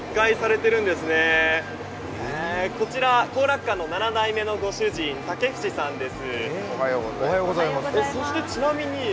後楽館の七代目のご主人竹節さんです。